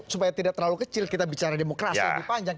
supaya tidak terlalu kecil kita bicara demokrasi lebih panjang